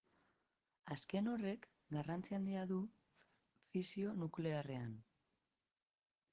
Azken horrek garrantzi handia du fisio nuklearrean.